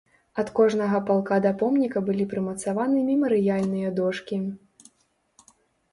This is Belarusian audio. Ад кожнага палка да помніка былі прымацаваны мемарыяльныя дошкі.